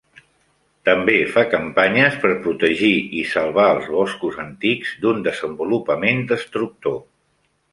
També fa campanyes per protegir i salvar els boscos antics d'un desenvolupament destructor.